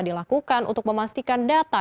dilakukan untuk memastikan data